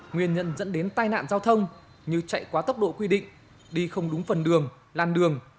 nguyên nhân dẫn đến tai nạn giao thông như chạy quá tốc độ quy định đi không đúng phần đường làn đường